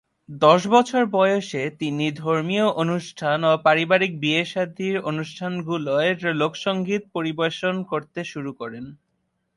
দশ বছর বয়সে তিনি ধর্মীয় অনুষ্ঠান ও পারিবারিক বিয়ে-শাদীর অনুষ্ঠানগুলোয় লোকসঙ্গীত পরিবেশন করতে শুরু করেন।